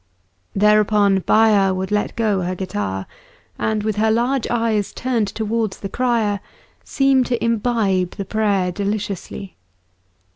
Thereupon Baya would let go her guitar, and with her large eyes turned towards the crier, seem to imbibe the prayer deliciously.